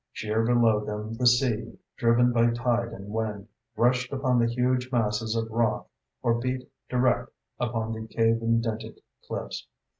Sheer below them the sea, driven by tide and wind, rushed upon the huge masses of rock or beat direct upon the cave indented cliffs.